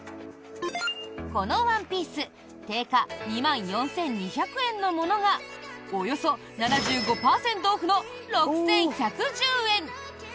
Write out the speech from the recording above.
このワンピース定価２万４２００円のものがおよそ７５％オフの６１１０円！